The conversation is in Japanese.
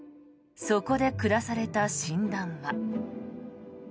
そこで下された診断は。